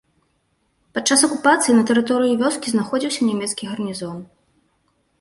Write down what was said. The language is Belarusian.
Падчас акупацыі на тэрыторыі вёскі знаходзіўся нямецкі гарнізон.